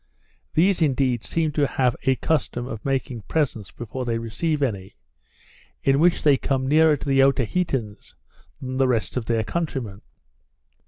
These indeed seem to have a custom of making presents before they receive any, in which they come nearer to the Otaheiteans than the rest of their countrymen.